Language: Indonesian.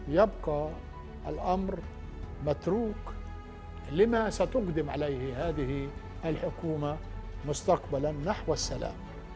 hukum yang terbatas yang memiliki hasil khasnya